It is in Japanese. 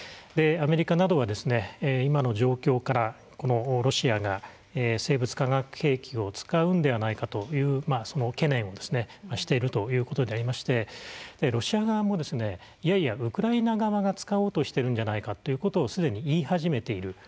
アメリカなどは今の状況からこのロシアが生物化学兵器を使うのではないかというその懸念をしているということでありましてロシア側もいやいやウクライナ側が使おうとしてるんじゃないかということをすでに言い始めている。